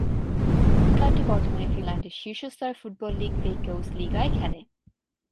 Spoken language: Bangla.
এই ক্লাবটি বর্তমানে ফিনল্যান্ডের শীর্ষ স্তরের ফুটবল লীগ ভেইক্কাউসলিগায় খেলে।